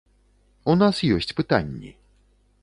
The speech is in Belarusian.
У нас ёсць пытанні.